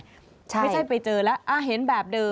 ไม่ใช่ไปเจอแล้วเห็นแบบเดิม